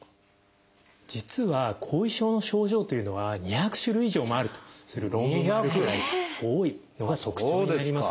実は後遺症の症状というのは２００種類以上もあるとする論文があるくらい多いのが特徴になります。